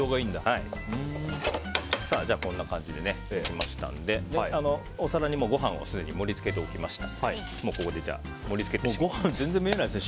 こんな感じでできましたのでお皿にご飯をすでに盛り付けておきましたのでご飯が全然見えないですね。